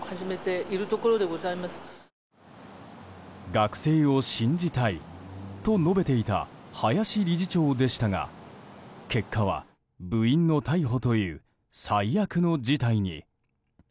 学生を信じたいと述べていた林理事長でしたが結果は、部員の逮捕という最悪の事態に。